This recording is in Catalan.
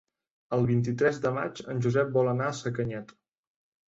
El vint-i-tres de maig en Josep vol anar a Sacanyet.